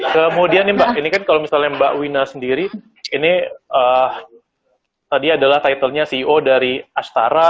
kemudian ini mbak ini kan kalau misalnya mbak wina sendiri ini tadi adalah title nya ceo dari ashtara